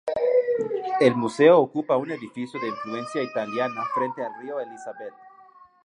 El museo ocupa un edificio de influencia italiana frente al río Elizabeth.